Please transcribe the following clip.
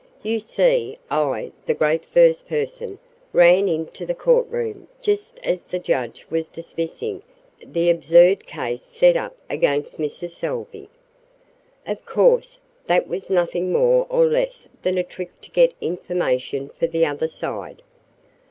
You see, I the great first person ran into the courtroom just as the judge was dismissing the absurd case set up against Mrs. Salvey. Of course, that was nothing more or less than a trick to get information for the other side.